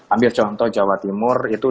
ambil contoh jawa timur itu